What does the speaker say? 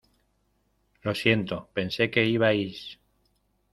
Lo siento, pensé que ibais...